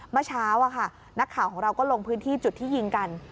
เมื่อเช้านักข่าวของเราก็ลงพื้นที่จุดที่ยิงกัน